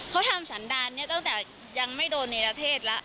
เขาทำสันดารเนี่ยตั้งแต่ยังไม่โดนเนรเทศแล้ว